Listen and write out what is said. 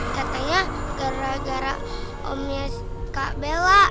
katanya gara gara omnya kak bela